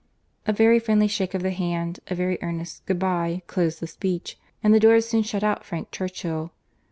A very friendly shake of the hand, a very earnest "Good bye," closed the speech, and the door had soon shut out Frank Churchill.